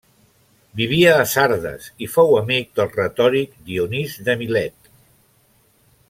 Vivia a Sardes i fou amic del retòric Dionís de Milet.